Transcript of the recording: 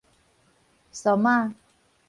參仔